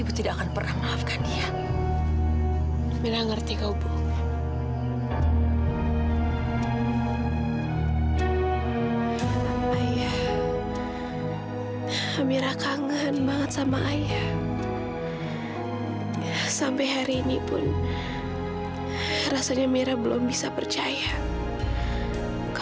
bapak pasti tahu tempat ini pak